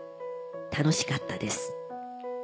楽しかったです。